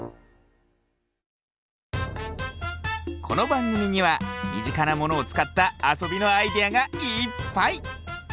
このばんぐみにはみぢかなものをつかったあそびのアイデアがいっぱい！